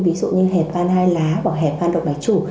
ví dụ như hẹp van hai lá và hẹp van độc bạch chủ